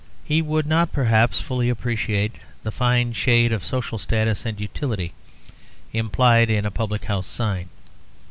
He would not perhaps fully appreciate the fine shade of social status and utility implied in a public house sign.